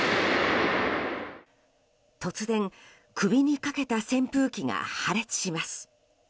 突然、首にかけた扇風機が破裂します。